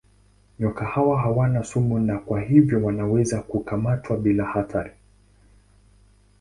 Nyoka hawa hawana sumu na kwa hivyo wanaweza kukamatwa bila hatari.